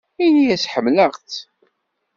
Ini-as ḥemmleɣ-tt.